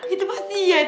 itu pasti ian